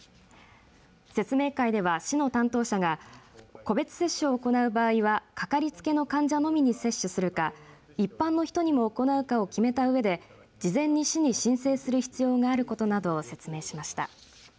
説明会では市の担当者が個別接種を行う場合はかかりつけの患者のみに接種するか、一般の人にも行うかを決めたうえで事前に市に申請する必要があることなどを説明しました。